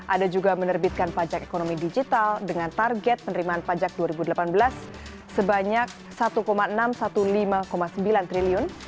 ada juga menerbitkan pajak ekonomi digital dengan target penerimaan pajak dua ribu delapan belas sebanyak rp satu enam ratus lima belas sembilan triliun